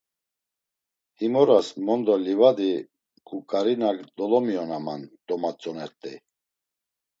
Him oras mondo Livadi K̆uǩarinak dolomiyonaman domatzonert̆ey.